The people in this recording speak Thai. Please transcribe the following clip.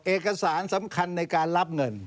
เอกสารสำคัญในการรับเงิน